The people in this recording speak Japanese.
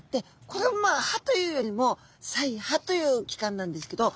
これもまあ歯というよりも鰓耙という器官なんですけど。